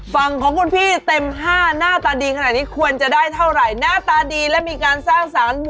ฝั่งของคุณพี่เนี่ยเนี่ย